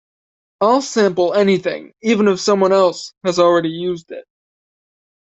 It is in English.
I'll sample anything, even if someone else has already used it.